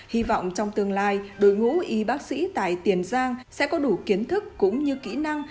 hy vọng trong tương lai đội ngũ y bác sĩ tại tiền giang sẽ có đủ kiến thức cũng như kỹ năng